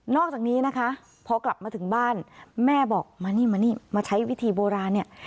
อกจากนี้นะคะพอกลับมาถึงบ้านแม่บอกมานี่มานี่มาใช้วิธีโบราณเนี่ย